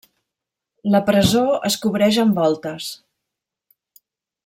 La presó es cobreix amb voltes.